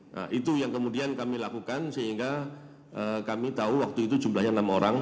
nah itu yang kemudian kami lakukan sehingga kami tahu waktu itu jumlahnya enam orang